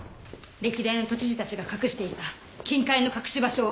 歴代の都知事たちが隠していた金塊の隠し場所を。